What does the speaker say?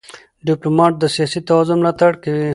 ډيپلومات د سیاسي توازن ملاتړ کوي.